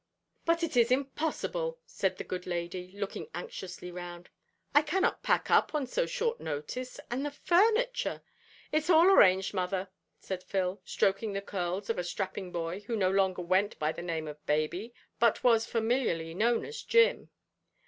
"But it is impossible," said the good lady, looking anxiously round; "I cannot pack up on so short notice. And the furniture " "It's all arranged, mother," said Phil, stroking the curls of a strapping boy who no longer went by the name of Baby, but was familiarly known as Jim.